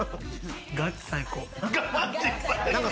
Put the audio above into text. ガチ最高。